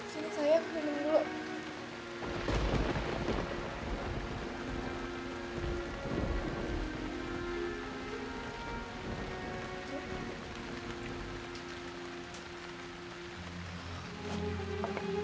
saya akan tidur dulu